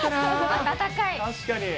温かい。